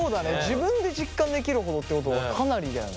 自分で実感できるほどってことはかなりだよね。